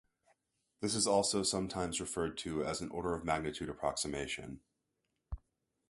This is also sometimes referred to as an order-of-magnitude approximation.